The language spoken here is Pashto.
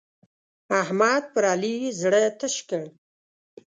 احمد پر علي زړه تش کړ.